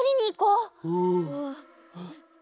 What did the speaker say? うん。